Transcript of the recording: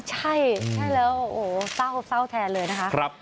ใช่ใช่แล้วโอ้โหเศร้าแทนเลยนะคะ